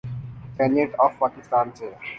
Senate of Pakistan سے۔